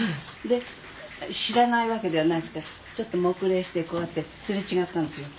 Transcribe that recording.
で知らないわけじゃないですからちょっと黙礼してこうやってすれ違ったんですよ。